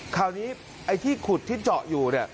คราวนี้ไอ้ที่ขุดที่เจาะอยู่